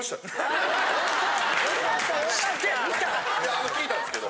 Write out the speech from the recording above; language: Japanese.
いやあの聞いたんですけど。